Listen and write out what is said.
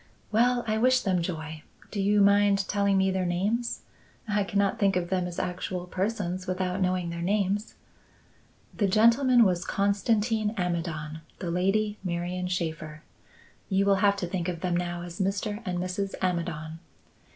"Well! I wish them joy. Do you mind telling me their names? I cannot think of them as actual persons without knowing their names." "The gentleman was Constantin Amidon; the lady, Marian Shaffer. You will have to think of them now as Mr. and Mrs. Amidon."